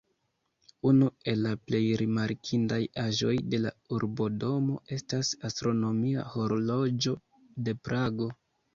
Unu el la plej rimarkindaj aĵoj de la Urbodomo estas astronomia horloĝo de Prago.